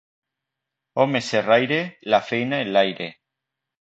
Home xerraire, la feina enlaire.